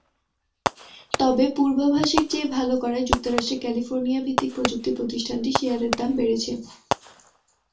তবে পূর্বাভাসের চেয়ে ভালো করায় যুক্তরাষ্ট্রের ক্যালিফোর্নিয়া-ভিত্তিক প্রযুক্তি প্রতিষ্ঠানটির শেয়ারের দাম বেড়েছে।